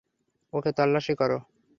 ওকে তল্লাশি করো!